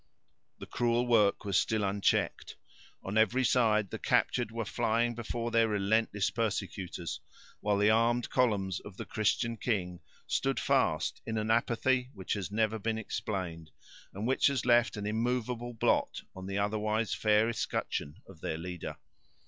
The cruel work was still unchecked. On every side the captured were flying before their relentless persecutors, while the armed columns of the Christian king stood fast in an apathy which has never been explained, and which has left an immovable blot on the otherwise fair escutcheon of their leader.